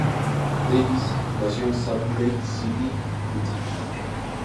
Davis nació en Salt Lake City, Utah.